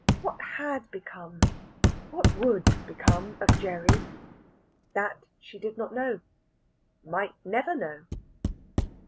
What had become what would become of Gerry? That she did not know, might never know.